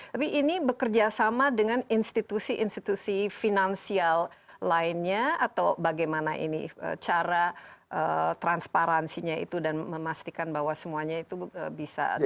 tapi ini bekerja sama dengan institusi institusi finansial lainnya atau bagaimana ini cara transparansinya itu dan memastikan bahwa semuanya itu bisa